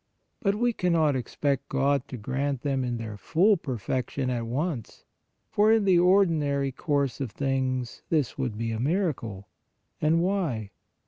But we cannot expect God to grant them in their full per fection at once, for in the ordinary course of things, this would be a miracle. And why?